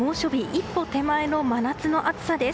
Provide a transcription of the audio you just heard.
一歩手前の真夏の暑さです。